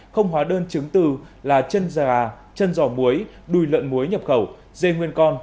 không hóa đơn chứng từ là chân rà chân giò muối đùi lợn muối nhập khẩu dê nguyên con